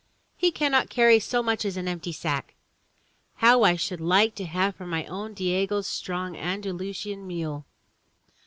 He cannot carry so much as an empty sack. How I should like to have for my own Diego's strong Andalusian mule!"